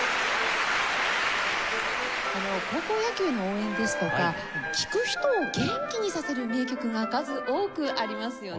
高校野球の応援ですとか聴く人を元気にさせる名曲が数多くありますよね。